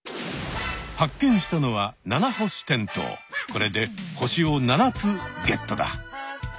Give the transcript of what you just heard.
発見したのはこれで星を７つゲットだ！